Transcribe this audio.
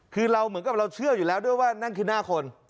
คือเราเหมือนกับเราเชื่ออยู่แล้วด้วยว่านั่นคือหน้าคน